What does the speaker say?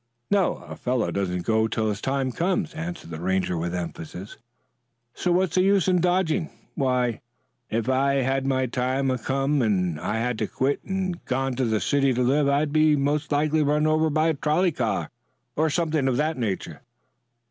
"No, a fellow doesn't go till his time's come," answered the Ranger with emphasis. "So what's the use in dodging? Why, if my time had come and I had quit and gone to the city to live I'd most likely be run over by a trolley car or something of that nature.